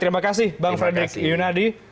terima kasih bang frederick yunadi